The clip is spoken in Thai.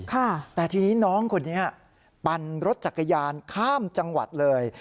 แต่ทีนี้น้องคนนี้ปั่นรถจักรยานข้ามจังหวัดเลย